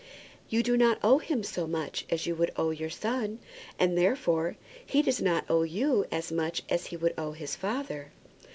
"You do not owe him so much as you would owe your son; and, therefore, he does not owe you as much as he would owe his father."